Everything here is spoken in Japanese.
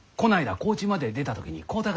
高知まで出た時に買うたがです。